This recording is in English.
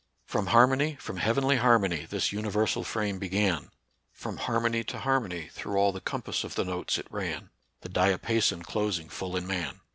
From harmony, from heavenly harmony, This universal frame began, From harmony to harmony Through all the compass of the notes it ran, The diapason closing full in man."